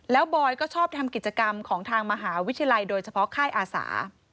แล้วบอยก็ชอบทำกิจกรรมของทางมหาวิทยาลัยโดยเฉพาะค่ายอาสา